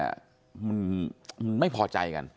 มันไม่พอใจกัน